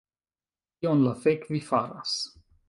Kion la fek' vi faras